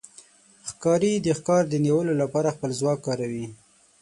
ښکاري د ښکار د نیولو لپاره خپل ځواک کاروي.